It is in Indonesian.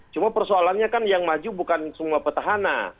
cuma persoalannya kan yang maju bukan semua petahana